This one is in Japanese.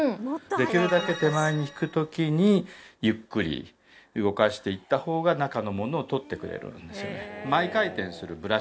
できるだけ手前に引く時にゆっくり動かしていった方が中のものを取ってくれるんですよね